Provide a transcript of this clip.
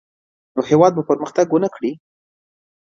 نو هېواد به پرمختګ ونه کړي.